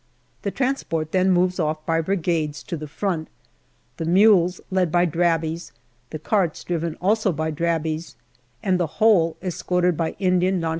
The transport then moves off by Brigades to the front, the mules led by Drabis, the carts driven also by Drabis, and the whole escorted by Indian N.